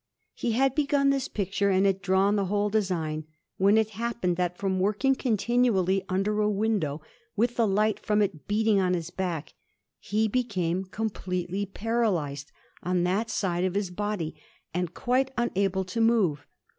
He had begun this picture, and had drawn the whole design, when it happened that, from working continually under a window, with the light from it beating on his back, he became completely paralyzed on that side of his body, and quite unable to move.